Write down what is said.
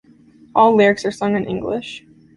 All lyrics are sung in English.